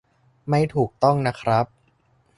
ไม่ถูกต้องนะครับ